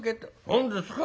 「何ですか？